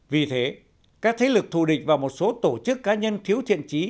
vì thế các thế lực thù địch và một số tổ chức cá nhân thiếu thiện trí